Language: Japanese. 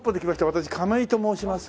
私亀井と申します。